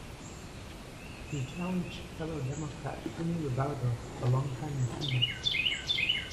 He challenged fellow Democrat Tony Ribaudo, a longtime incumbent.